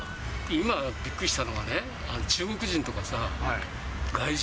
今びっくりしたのがね、中国人とかさ、外人？